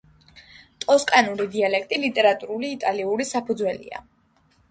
ტოსკანური დიალექტი ლიტერატურული იტალიურის საფუძველია.